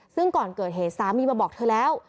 ซึ่งก่อนเกิดเหตุสามีมาบอกเธอแล้ว